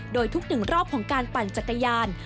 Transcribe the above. โดยทุก๑รอบของการปั่นจักรยาน